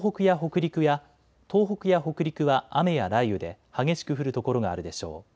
東北や北陸は雨や雷雨で激しく降る所があるでしょう。